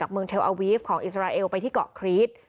เมืองเทลอาวีฟของอิสราเอลไปที่เกาะครีส